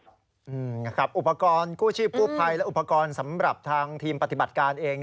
อเจมส์อุปกรณ์กู้ชีพพรุภัยและอุปกรณ์สำหรับทีมปฏิบัติการเอง